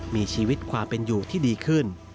มีชีวิตความเป็นอยู่ที่ดีขึ้น